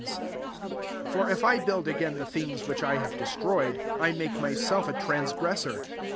18 For if I build again the things which I have destroyed, I make myself a transgressor.